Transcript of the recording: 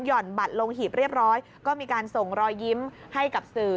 ่อนบัตรลงหีบเรียบร้อยก็มีการส่งรอยยิ้มให้กับสื่อ